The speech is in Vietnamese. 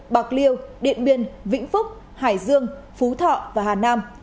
bạc liêu điện biên vĩnh phúc hải dương phú thọ và hà nam